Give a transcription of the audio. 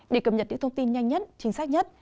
để cập nhật những thông tin nhanh nhất chính xác nhất